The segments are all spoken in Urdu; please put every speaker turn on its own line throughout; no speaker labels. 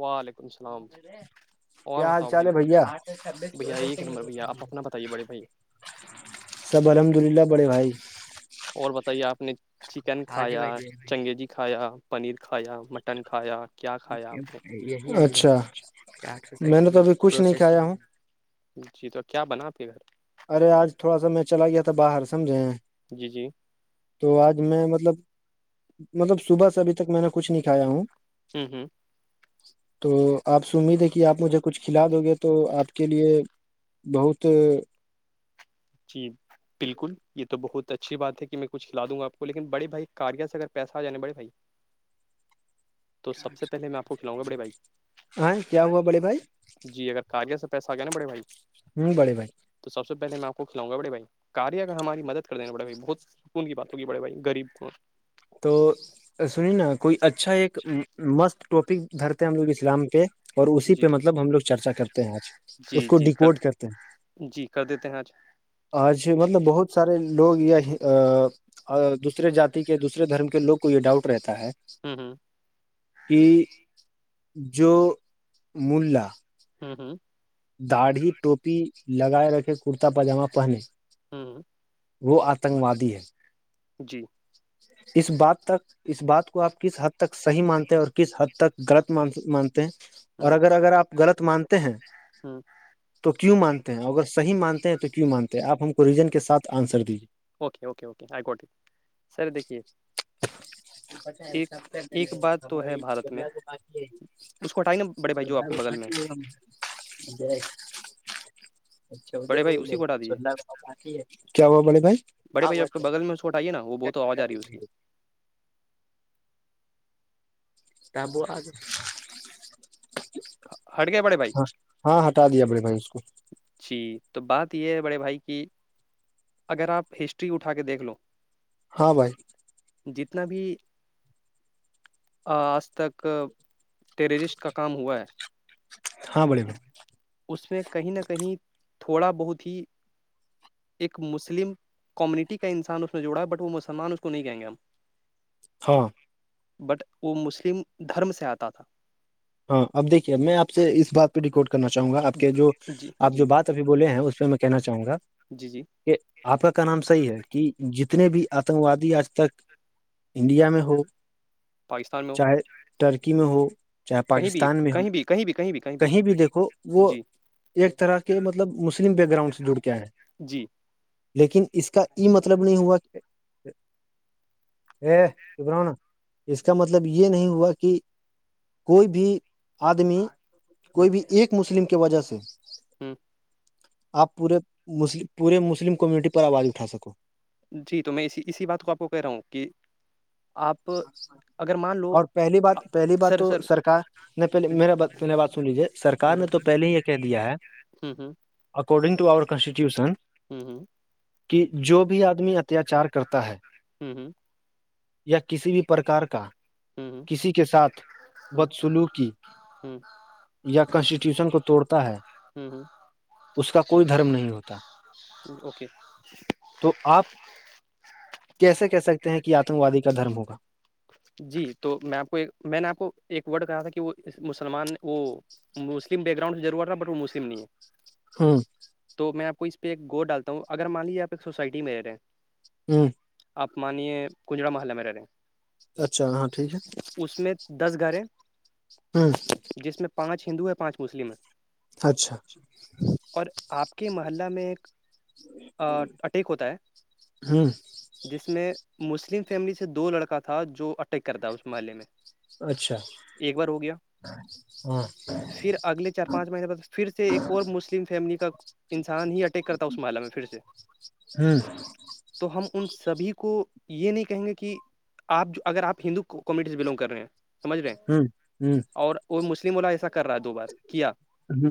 وعلیکم السلام اور
کیا حال
بتاؤ
چال
بھائی
ہے بھیا
بھیا ایک نمبر بھیا آپ اپنا بتائیے بڑے بھائی
سب الحمد للہ بڑے بھائی
اور بتائیے آپ نے چکن کھایا چنگیزی کھایا پنیر کھایا مٹن کھایا کیا کھایا آپ نے
اچھا میں نے تو ابھی کچھ نہیں کھایا ہوں
جی تو کیا بنا آپ کے گھر
ارے آج تھوڑا سا میں چلا گیا تھا باہر سمجھے
جی جی
تو آج میں مطلب مطلب صبح سے ابھی تک میں نے کچھ نہیں کھایا ہوں
ہوں ہوں
تو آپ سے امید ہے کہ آپ مجھے کچھ کھلا دو گے تو آپ کے لیے بہت
جی بالکل یہ تو بہت اچھی بات ہے کہ میں کچ کلا دوں گ آپ لن بڑے بھائی کاریا سے اگر پس آ جے بڑے بھائی تو سب سے پہلے میں آپ کو کھلاؤں گا بڑے بھائی
ہاں کیا ہوا بڑے بھائی
جی اگر کہ آ گیا تو پیسہ آ گیا نا بڑے بھائی
ہوں بڑے بھ
تو سب سے پلے میں آپ کو کھلاؤ گا بڑے بھائیار اگر ہماری مدد کر دینا بڑے بھائی بہت سکون کیات ہوی بڑے بھائی ریب کو
تو سنی نا کوئی اچھا ایک مست ٹاپک دھرتے ہیں ہم لوگ اسلام پہ اور اسی
جی
پہ
جی
مطلب ہم لوگ چرچا کرتے ہیں آج اس
جی
کو
جی کر
ڈیکوڈ کرتے ہیں
جی کر دیتے ہیں آج
آج مطلب بہت سارے لوگ یا دوسرے جات کے ے دھرم کے لگ کو یہ ڈاؤٹ رہتا ہے
ہوں ہوں
کہ جو ملہ
ہوں ہوں
داڑھی ٹوپی لگائے رکھے کرتا پاجامہ پہنے
ہوں
وہ آتنکوادی ہے
جی
اس بات تک اس بات کو آپ کس حد تک صحیح مانتے اور کس حد تک غلط م مانتے ہیں اور
ہوں
اگر اگر آپ غلط مانتے ہیں
ہوں
تو کیوں مانتے ہیں اگر صحیح مانتے ہیں تو کیوں مانتے ہیں آپ ہم کو ریزن کے ساتھ آنسر دیجیے
okay okay okay I quote sir دیکھیے
[unintelligible] پچا ایساب
ایک
سے پ
ایک بات
ہم
تو ہے
یہ
بھارت میں
جلہ سے باقی ہے
اس کو ہٹائی نا بڑے بھائی جوپ کے بگغل میں
[unintelligible]
[unintelligible] بڑے بھائی اسی کو ہٹا دیجیے
کیا ہوا بڑے بھائی
بڑے بھائی آپ کے بغل میں اس کو ہٹائیے نا وہ بہت آواز آ رہی ہے اس کی
تب
ہٹ گئے بڑے بھائی
ہاں ہاں ہٹا دیا بڑے بھائی اس کو
جی تو بات یہ ہے بڑے بھائی کی اگر آپ ہسٹری اٹھا کے دیکھ لو
ہاں بھائی
جتنا بھی آج تک ٹریجسٹ کا کام ہوا ہے
ہاں بے ب
اس میں کہیں نہ کہیں تھوڑا بہت ہی ایک مسلم کمیونٹی کا انسان اس نے جوڑا ہے بٹ وہ مسلمان اس کو نہیں کہیں گے ہم
ہاں
بٹ وہ مسلم دھرم سے آتا تھا
ہاں اب دیکھیے میں آپ سے اس بات پہ ریکارڈ کرنا چاہوں گا آپ کے جو
جی
آپ
جی
جو بات ا بولے ہیں اس پ میں کہنا چاہوں گا
جی جی
کہ آپ کا کا نام صحیح ہے کہ جتنے بھی آتنک وادی آج تک انڈیا میں ہو
پاکستان میں
چاہے ٹرکی میں ہو چاہے
کہیں بھی
پاکستان میں ہو
کہیں بھی کہیں بھی بھی
کہیں بھی دیکھو وہ
جی
ایک طرح کے مطلب مسلم بیک گراؤنڈ سے جڑ کے ہے
جی
لیکن اس کا یہ مطلب نہیں ہوا کہ ا کہبرن اس کا مطلب یہ نہیں ہوا کہ کوئی بھی آدمی کوئی بھی ایک مسلم کی وجہ سے
ہوں
آپ پورےس پورے مسلم کمیونٹی پر آواز اٹھا سکو
جی تو میں اسی اسی بات کو آپ کو کہہ رہا ہوں کہ آپ اگر مان لو
اور پہلی بات پہلی بات
سر
تو
سر
سرکار نہیں پہلے میرے بات مے بات سن لیجیے سرار نے تو پہلے ہی یہ کہہ دیا ہے
ہوں ہوں
اکارڈنگ ٹو آور کانسٹیٹیوشن کہ جو بھی آدمی اتیاچار کرتا ہے
ہوں ہوں
یا کسی بھی پرکار کا
اوکے
کسی کے ساتھ بدسلوک کی
ہوں
یا کانسٹیٹیوشن کو توڑتا ہے
ہوں ہوں
اس کا کوئی دھرم نہیں ہوتا
اوکے
تو آپ کیسے کہہ سکتے ہیں کہ آتنکوادی کا دھرم ہوگا
جی تو میں آپ کو ایک میں نے آپ کو ایک ورڈ کہا تھا کہ وہ مسلمان وہ مسلم بیک گرانڈ ضرورت ہے بٹ وہ مسلم نہیں ہے
ہاں
تو میں آپ کو اس پہ ایک گو ڈالتا ہوں اگر مان لیجے آپ ایک سوسائٹی میں رہ ہیں
ہوں
آپ مانیے کنجڑا محللہ میں رہے ہیں
اچھا ہاں ٹھیک ہے
اس میں دس گاریں
ہوں
جس میں پانچ ہندو ہے پانچ مسلم ہیں
اچھا
اور آپ کے محلہ میں ایک اٹیک ہوتا ہے
ہوں
جس میں مسلم فیملی سے دو لڑکا تھا جو اٹیک کرتا اس محلے میں
اچھا
ایک بار ہو گیا
ہاں [inaudible]
پھر اگلے چار پانچ مہینے بعد پھر سے ایک اور مسلم فیملی کا انسان ہی اٹیک کرتا اس محلہ میں پھر سے
ہوں
تو ہم ان سبھی کو یہ نہیں کہیں گے کہ آپ جو اگر آپ ہندو کومیونٹیز بلانگ کر رہے ہیں سمجھ رہے ہیں
ہوں ہوں
اور وہ مسلم والا ایسا کر رہا دو بار کیا
ہوں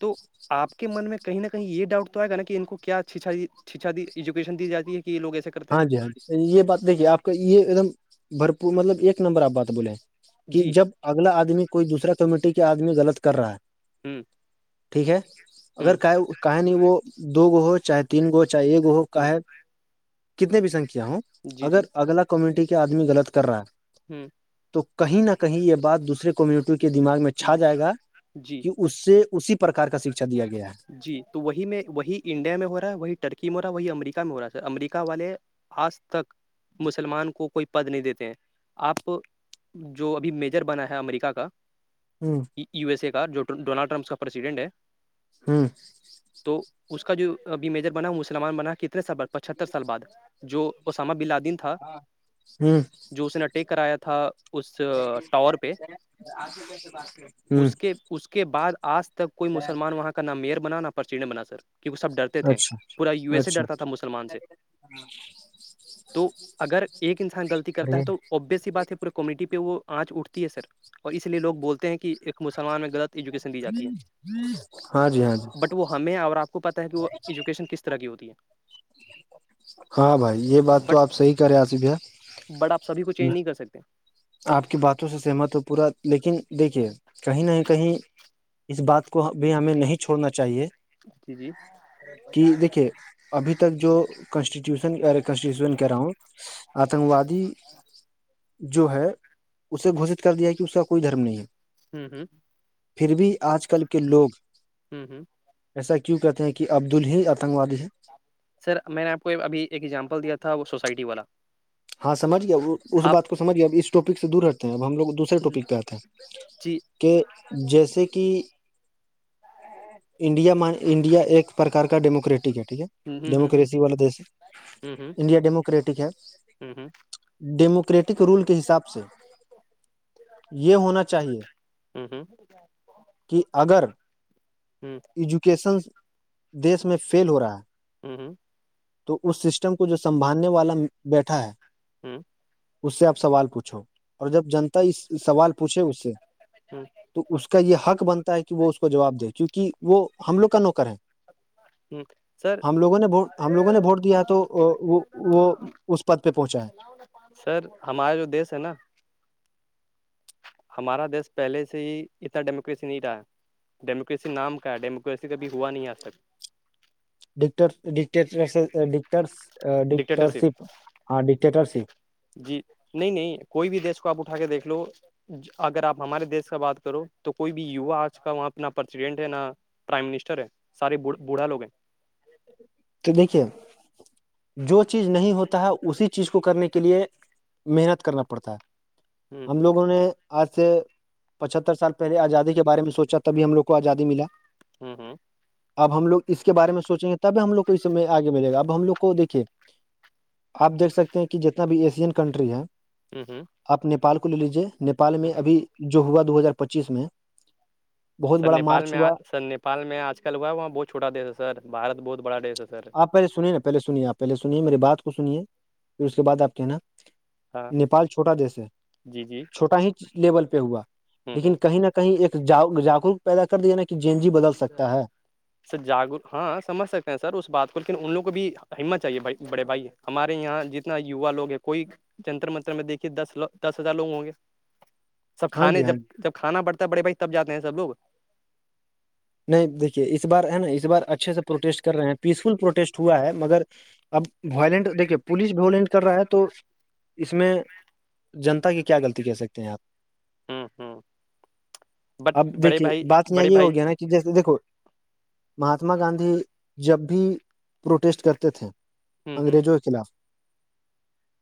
تو آ کے من میں کہیں نہ کہیں یہ ڈاؤٹ تو آئے گا نا کہ ان کو کیا شچھا دی ایجوکیشن دی جاتی ہے کہ یہ لوگ ایسے کرتے ہیں
ہاں جی ہاں جی یہ بات دیکھیے آپ کا یہ ایک دم بھرپور مطلب ایک نمبر آپ بات بولے کہ
جی
جب اگلا آدمی کوئی دوسرا کمیونٹی کے آدمی غلط کر رہا ہے
ہوں
ٹھیک ہے اگر
ہوں
کا کہ نہیں وہ دو گو ہو چاہے تین گو ہو چاہے ایک ہو
ہوں
کاے کتنے بھی سنکھیا ہوں
جی جی
اگر اگلا کمیونٹی کے آدمی غلط کر رہا ہے
ہوں
تو کہیں نہ کہیں یہ بات دوسرے کمیونٹی کے دماغ میں چھا جائے گا
جی
کہ اس سے اسی پرار کا شکھا دیا گیا ہے
جی تو وہی میں وہی انڈیا میں ہو رہا ہے وہی ٹرکی میں ہو رہا ہے وہی امریکہ میں ہو رہا ہے سر امریکہ والے آج تک مسلمان کو کوئی پد نہیں دیتے ہیں آپ جو ابھی میجر بنا ہے امریکہ کا
ہوں
یو ایس اے کا جو ڈونلڈ ٹرمپ کا پرریسیڈنٹ ہے
ہاں
تو اس کا جو ابھی میجر بنا وہ مسلمان بنا کتنے سال پچہتر سال بعد جو اسامہ بلادین تھا
ہ
جو اس نے اٹیک کرایا تھا اس ٹاور پہ
آج کیسے بس [inaudible]
اس کے اس کے بعد آج تک کوئی مسلمان وہاں کا نہ میئر بنا نہ پرسڈن بنا سر کیونکہ سب ڈرتے تھے
اچھا
پورا یو ایس سے
اچھا
ڈرتا تھا مسلمان سے تو اگر ایک انسان غلطی کرتا ہے
ارے
تو ابس ہی بات ہے پورے کمیونٹی پہ وہ آنچ اٹھتی ہے سر اور اسی لیے لوگ بولتے ہیں کہ ایک مسلمان میں غلط ایجوکیشن دی جاتی
ہاں جی ہاں جی
ہے بٹ وہ ہمیں اور آپ کو پتا ہے کہ وہ ایجوکیشن کس طرح کی ہوتی ہے
ہاں بھائی یہ بات تو
بٹ
آپ صحیح کرے آصف ہے
بٹ آپ سبھی کو چینج نہیں کر سکتے
آپ کی باتوں سے سہمت ہو پورا لیکن دیکھیے کہیں نہ کہیں اس بات کو بھی ہمیں نہیں چھوڑنا چاہیے
جی جی
کہ دیکھیے ابھی تک جو کانسٹیٹیوشن کانسٹیٹیوشن کہہ رہا ہوں آتنک وادی جو ہے اسے گھوشت کر دیا کہ اس کا کوئی دھرم نہیں ہے
ہوں ہوں
پھر بھی آج کل کے لوگ
ہوں ہوں
ایسا کیوں کہتے ہیں کہ عبد ال ہی آتنکوادی ہے
سر میں نے آپ کو ابھی ایک ایگزامپل دیا تھا وہ سوسائٹی والا
ہاں سجھ گیا اس
آپ
بات کو سمج گیا ا اسٹپک سے دور رہتے ہیںب ہم لگ دوسرے ٹاپک پہ آتے
جی
ہیں کہ جیسے کہ انڈیا مان انڈیا ایک پرکار کا ڈیموکریٹک ہے ٹھیک ہے
ہ ہ ہ ہ
ڈیموکریسی والا دیش
ہوں
انڈیا ڈیموکریٹک ہے
ہوں ہوں
ڈیموکریٹک رول کے حساب سے یہ ہونا چاہیے
ہوں ہوں
کہ اگر
ہوں
ایجوکیشن دیش میں فیل ہو رہا ہے
ہوں ہوں
تو اس سسٹم کو جو سنبھالنے والا بیٹھا ہے
ہوں
اس سے آپ سوال پوچھو اور جب جنتا اس سوال پوچھے اس سے
جچ
تو اس کا یہ حق بنتا ہے کہ وہ اس کو جواب دے کیونکہ وہ ہم لوگ کا نوکر ہے
ہوں سر
ہم لوگوں نے ووٹ ہم لوگوں نے ووٹ دیا ہے تو وہ وہ اس پد پہ پہنچا ہے
سر ہمارا جو دیس ہے نا ہمارا دیش پہلے سے ہی اتنا ڈیموکریسی نہیں رہا ڈیموکریسی نام کا ہے ڈیموکریسی کبھی ہوا نہیں ہے آج تک
ڈ ڈٹر ڈٹر ڈٹرشپ
ڈکٹیٹرشپ
ہاں ڈٹٹر شپ
جی نہیں نہیں کوئی بھی دیش کو آپ اٹھا کے دیکھ لو اگر آپ ہمارے دیش کا بات کرو تو کوئی بھی وا آج کال وہاں اپنا پرریسیڈینٹ ہے نہا پرائم منسٹر ہے سار بوڑھا لو ہیں
تو دیکھیے جو چیز نہیں ہوتا ہے اسی چیز کو کرنے کے لیے محنت کرنا پڑتا ہے
ہوں
ہم لوگوں نے آج سے پچہتر سال پہے آزادی کے بارے میں سوچا تب ہم لوگ کو آزادی ملا
ہوں ہوں
اب ہم لوگ اس کے بارے میں سوچیں گے تب ہم لوگ کو اس س میں آگے ملے گا اب ہم لوگ کو دیکھے آپ دیکھ سکتے ہیں کہ جتنا بھی ایشین کنٹری ہیں
ہوں ہوں
آپ نیپال کو لے لیجے نیپال میں ابھی جو ہوا دو ہزار پچیس میں بہت بڑا مارچ ہوا
نپال میں آج کل ہوا وہاں بہت چوٹا دیش ہے سر بارت بہت بڑا دیش ہے سر
آپ پہلےنیے نا پہل سنیے آپہلے سنیے میری بات کو سنیے پھر اس کے بع آپ کہ نا
ہاں
نیپال چھوٹا دیس ہے
جی جی
چھوٹا ہی لیول پہ ہوا
ہوں ہوں
لیکن کہیں نہ کہیں کہیں ایکا جاگروک پیدا کر دیا نا کہ جے این جی بدل سکتا ہے
سر جاگرک ہاں سمجھ سکتے ہیں سر اس بات کو لیکن ان لوگ کو بھی ہمت چاہیے بھائی بڑے بھائی ہمارے یہاں جتنا وا لوگ ہیں کوئی جنتر منتر میں دیکھیے دس دس ہزار لوگ ہوں گے سب
ہاں
کھانے
جی
جب
ہاں
جب کھانا پڑتا ہے بڑے بھائی تب جاتے ہیں سب لوگ
نہیں دیکھیے اس بار ہے نا اس بار اچھے سے پروٹیسٹ کر رہے ہیں پیسفل پروٹیسٹ ہوا ہے مگر اب وائلنٹ دیکے پولیس بولینٹ کر رہا ہے تو اس میں جنتا کہ کیا غلطی کر سکتے ہیں آپ
ہوں ہوں بٹ
اب
بڑے
دیکھیے
بھائی
بات یہاں
بڑے
یہ
بھائی
ہوگیا نا کہ جیسے دیکھو مہاتما گاندھی جب بھی پروٹیسٹ کرتے تھے
ہوں ہوں
انگریزوں کے خلاف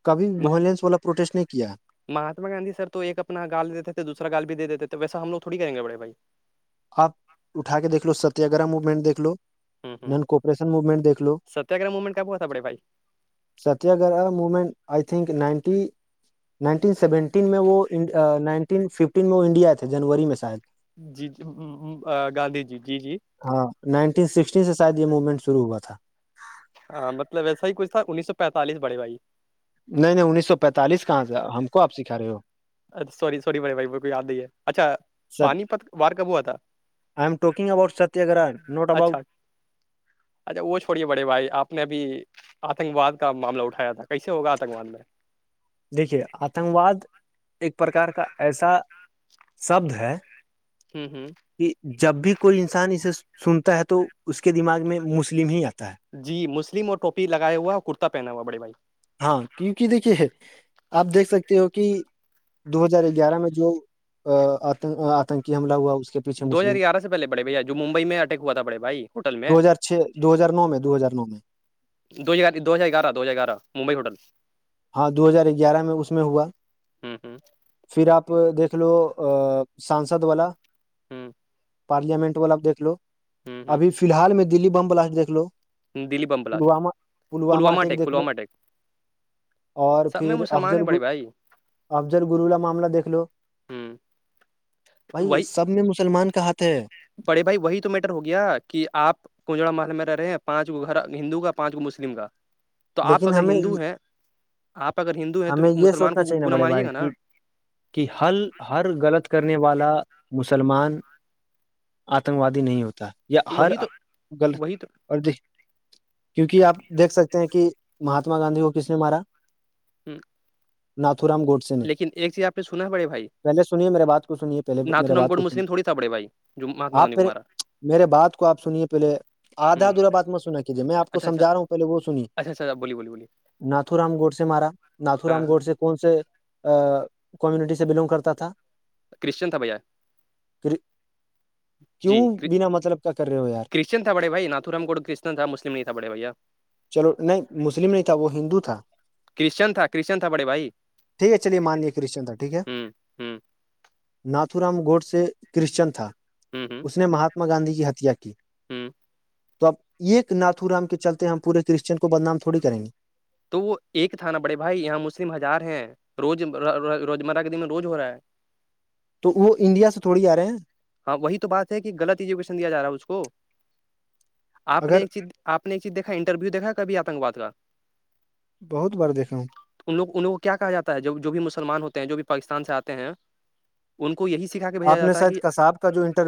کبھی ولینس والا پروٹیسٹ نہیں کیا
مہاتما گاندھی سر تو ایک اپنا گال دیتے تھے دوسرا گال بھی د دیتے تھے ویسا ہم لو تھوڑی کریں گے بڑے بھائی
آپ اٹھا کے دیکھ لو ستیا گگرہ موومنٹ دیکھ لو
ہوں
ن کوپریشن موممنٹیکھ لو
ٹبت تھا پڑےھائی
Satyagraha movement I think ninety nineteen seventeen میں وہ نائنٹین ففٹین میں وہ انڈیا تھے جنوری میں شاید
جی جی گاندھی جی جی جی
ہاں نائنٹین سکسٹی سے شاید یہ موومنٹ شرو ہوا تھا
ہاں مطلب و ایسا ہی کچ تھا انیس سو پینتالس بڑے بھائی
نہیں نہیں انیس سو پینتالس کہاں سے ہم کوپ سکھا رہے ہو
اچ سوری سوری بھائی بھائی بالک یاد نہیں ہے اچھا پانی
آئی
پت وار کب ہوا تھا
ایم ٹاکنگ ابؤٹ ستیہ گگر نٹ ابؤٹ
اچھا اچھا وہ چھوڑیے بڑے بھائی آپ نے ابھی آتنکواد کا معاملہ اٹھایا تھا کیسے ہوگا آتنکواد میں
دیکھیے آتنک واد ایک پرکار کا ایسا شبد ہے
ہوں ہوں [unintelligible]
کہ جب بھی کوئی انسان اسے سنتا ہے تو اس کے دماغ میں مسلم ہی آتا ہے
جی مسلم اور ٹوپی لگیا ہوا اور کرتا پہنا ہوا بڑے بھائی
ہاں کیونکہ دیکھیے آپ دیکھ سکتے ہو کہ دو ہزار گیارہ میں جو آتنکی حملہ ہوا اس کے پیچھے
دو ہزار
مسلم
گیارہ سے پہلے بڑے بھیا جو ممبئی میں اٹیک ہوا تھا بڑے بھائی ہوٹل میں
دو ہزار چھ دو ہزار نو میں دو ہزار نو میں
دو ہزار دو ہزار گارہ دو ہزار گارہ ممبئی ہوٹل
ہاں دو ہزار گیارہ میں اس میں ہوا
ہوں ہوں
پھر آپ دیکھ لو سانسد والا
ہوں
پارلمنٹ والا دیکھ لو
ہوں
ابھی
ہوں
فی الحال میں دلی بم بلاسٹ دیکھ لو
Delhi bomb blast
Pulwama Pulwama attack دیکھ لو اور
سب میں
پھر
مسلمان
افضل
ہیں بڑے بھائی
افضل گرو کا معاملہ دیکھ لو
ہوں
بھائی سب میں مسلمان کا ہاتھ ہے
پڑے بھائی وہی تو میٹر ہو گیا کہ آپ کجڑا محل میں رہے ہیں پانچ گھر ہندو کا پانچ گھر مسلم کا تو آپ
لیکن
اگر
ہمیں
ہندو ہیں آپ اگر ہندو ہیں تو
ہمیں یہ
مسلمان
سوچنا
کو
چاہیے نا
گنا
بڑے
مانیے
بھائی
گا نا
کہ کہ ہر ہر غلط کرنے والا مسلمان آتنک وادی نہیں ہوتا یا
تو
ہر
وہی تو
غلط
وہی تو
اور کیوںکہ آپ دیکھ سکتے ہیں کہ مہاتما گاندھی کو کس نے مارا
ایک [unintelligible]
ناتھو رام گوڈ
لیکن ایک چیز آپ نے سنا ہے بڑے بھائی
سنیے میرے بات کو سنیے پہلے
ناتھو
میرے
رام
بات
کوڈ
کو سنیے
مسلم تھوڑی بڑے بھائی جو مہاتما
آپ
گاندھی کو
پھر
مارا
میرے بات کو آپ سنیے پہلے
ہ
آدھا ادھورا بات مت سنا کہجیے میں آپ کو
اچھا اچھا
سمجھا رہا ہوں پہلے وہ سنیے
اچھا اچھا بولیے بولیے
ناتھو رام گوڑ سے مارا ناتھ رام گوڑ سے کون سے کمیونٹی سے بلونگ کرتا تھا
کرسشچن تھا بھیا
کیوں
جی
بنا مطلب کیا کر رہے ہو یار
کرسچن تھا بڑے بھائی ناتھو رام کور کرسچن تھا مسلم نہیں تھا بڑے بھیا
چلو نہیں مسلم نہیں تھا وہ ہندو تھا
کرشچن تھا کرسچن تھا بڑے بھائی
ٹھیک ہے چلیے مان لیا کرسچن تھا ٹھیک ہے
ہ ہ
ناتھو رام گوڑ سے کرسچن تھا
ہوں ہوں
اس نے مہاتما گاندھی کی ہتیا کی تو اب ایک ناتھو رام کے چلتے ہم پورے کرشچن کو بدنام تھوڑی کریں گے
تو وہ ایک تھا نا بڑے بھائی یہاں مسلم ہزار ہیں روز روزمرہ کے دن روز ہو رہا ہے
تو وہ انڈیا سے تھوڑی آ رہے ہیں
ہاں وہی تو بات ہے کہ غلط ایجوکیشن دیا جا رہا ہے اس کو آپ نے
اگر
ایک چیز آپ نے ایک چیز دیکھا انٹرویو دیکھا کبھی آتنکواد کا
بہت بار دیکھا ہوں
ان لوگ ان کو کیا کہا جاتا ہے جو بھی مسلمان ہوتے ہیں جو بھی پاکستان سے آتے ہیں ان کو یہی سے سکھا کے بھیجا
آپ نے
جاتا ہے
شاید
کہ
کساب جو انر [unintelligible]